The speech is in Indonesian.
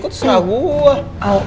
kok tuh serah gue